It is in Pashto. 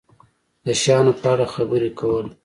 د شیانو په اړه خبرې کول